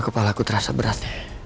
kenapa kepalaku terasa berat